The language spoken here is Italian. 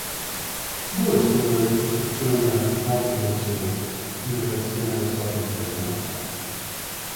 Due sono le ricostruzioni avanzate di recente, in relazione alle sorti di questo manufatto.